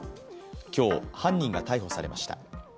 今日、犯人が逮捕されました。